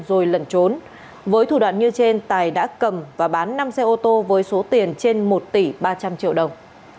rồi lẩn trốn với thủ đoạn như trên tài đã cầm và bán năm xe ô tô với số tiền trên một tỷ ba trăm linh triệu đồng